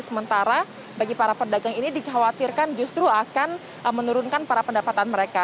sementara bagi para pedagang ini dikhawatirkan justru akan menurunkan para pendapatan mereka